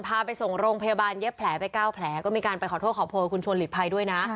พาไปส่งโรงพยาบาลเย็บแผลไป๙แผลก็มีการไปขอโทษขอโพยคุณชวนหลีกภัยด้วยนะ